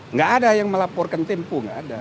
nggak ada yang melaporkan tempo nggak ada